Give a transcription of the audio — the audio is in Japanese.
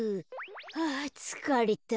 はあつかれた。